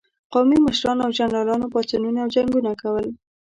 قومي مشرانو او جنرالانو پاڅونونه او جنګونه کول.